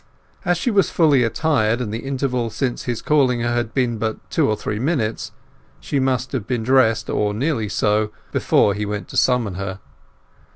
As she was fully attired, and the interval since his calling her had been but two or three minutes, she must have been dressed or nearly so before he went to summon her.